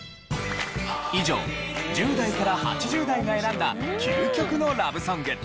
以上１０代から８０代が選んだ究極のラブソング。